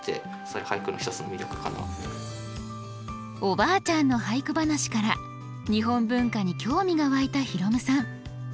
おばあちゃんの俳句話から日本文化に興味が湧いた宏陸さん。